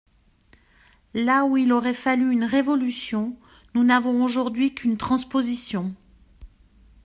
Là où il aurait fallu une révolution nous n’avons aujourd’hui qu’une transposition.